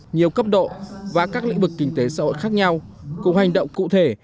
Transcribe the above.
nhiều cấp độ và các lĩnh vực kinh tế xã hội khác nhau cùng hành động cụ thể